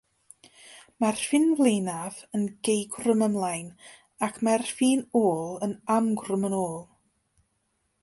Mae'r ffin flaenaf yn geugrwm ymlaen ac mae'r ffin ôl yn amgrwm yn ôl.